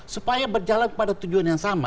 supaya berjalan pada tujuan yang sama